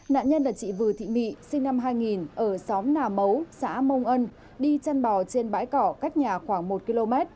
nạn nhân là chị vừa thị mỹ sinh năm hai nghìn ở xóm nà mấu xã mông ân đi chăn bò trên bãi cỏ cách nhà khoảng một km